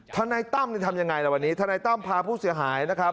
ทนายตั้มนี่ทำยังไงล่ะวันนี้ทนายตั้มพาผู้เสียหายนะครับ